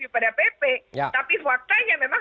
pada pp tapi faktanya memang